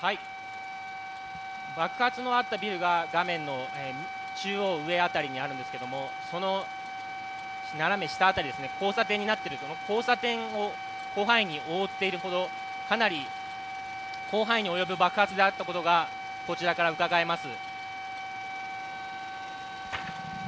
爆発のあったビルが画面の中央上辺りにあるんですけども、その斜め下辺り、その交差点を広範囲に覆っているので爆発が広範囲だったことがこちらからうかがえます。